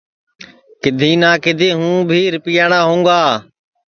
کِدھی نہ کِدھی ہوں بھی رِپیاڑا ہوںگا